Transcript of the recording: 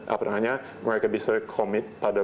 apalagi mereka bisa komit pada